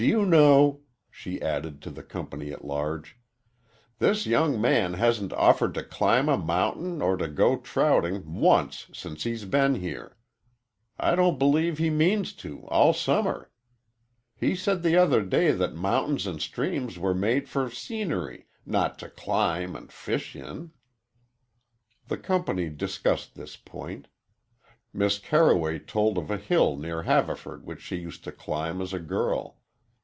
Do you know," she added, to the company at large, "this young man hasn't offered to climb a mountain, or to go trouting, once since he's been here. I don't believe he means to, all summer. He said the other day that mountains and streams were made for scenery not to climb and fish in." The company discussed this point. Miss Carroway told of a hill near Haverford which she used to climb, as a girl.